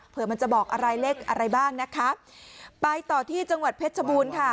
เพื่อมันจะบอกอะไรเลขอะไรบ้างนะคะไปต่อที่จังหวัดเพชรชบูรณ์ค่ะ